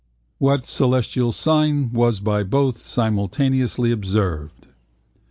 What celestial sign was by both simultaneously observed?